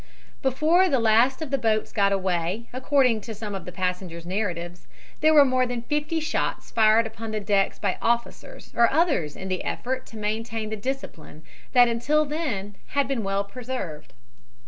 Before the last of the boats got away, according to some of the passengers' narratives, there were more than fifty shots fired upon the decks by officers or others in the effort to maintain the discipline that until then had been well preserved.